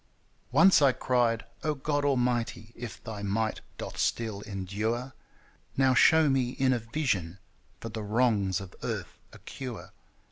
Once I cried : "O God Almighty ! if Thy might doth still endure. Now show me in a vision for the wrongs of Earth a cure."